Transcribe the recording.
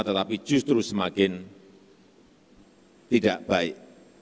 tetapi justru semakin tidak baik